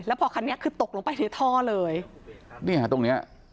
พอคันนี้คือตกลงไปในท่อเลยนี่ฮะตรงเนี้ย